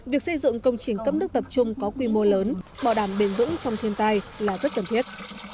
việc xây dựng công trình cấp nước tập trung có quy mô lớn bảo đảm bền vững trong thiên tai là rất cần thiết